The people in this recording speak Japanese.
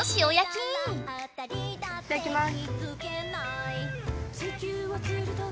いただきます。